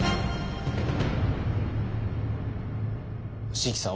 椎木さん